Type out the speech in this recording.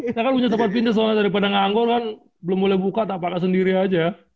saya kan punya tempat fitness karena tadi pada nganggol kan belum boleh buka tak pakai sendiri aja